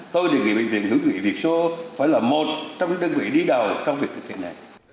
tôi đề nghị bệnh viện hữu nghị việt sô phải là một trong những đơn vị đi đầu trong việc thực hiện này